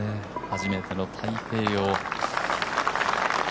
初めての太平洋。